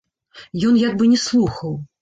Ён як бы не слухаў.